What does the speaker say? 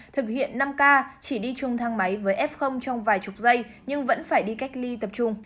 thực hiện năm k chỉ đi chung thang máy với f trong vài chục giây nhưng vẫn phải đi cách ly tập trung